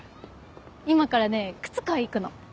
今からね靴買いに行くの。